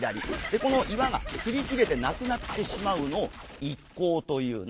この岩がすり切れてなくなってしまうのを一劫というな。